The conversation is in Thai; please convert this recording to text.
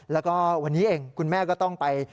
แล้วก็วันนี้เองคุณแม่ก็ต้องไป